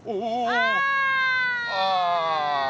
ああ。